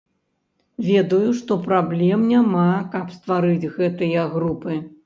Ведаю, што праблем няма, каб стварыць гэтыя групы.